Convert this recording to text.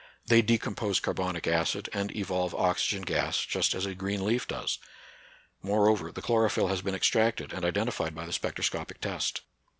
They decompose carbonic acid and evolve oxy gen gas, just as a green leaf does. Moreover, the chlorophyll has been extracted and identi fied by the spectroscopic test.